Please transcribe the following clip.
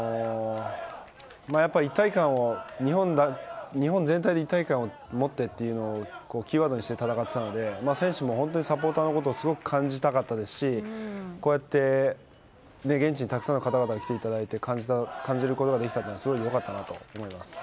やっぱり、日本全体で一体感を持ってというのをキーワードにして戦っていたので選手もサポーターのことをすごく感じたかったですしこうやって、現地にたくさんの方々に来ていただいて感じることができたのはすごい、良かったなと思います。